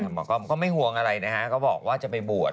บอกว่าไม่ห่วงอะไรนะเขาบอกว่าจะไปบวช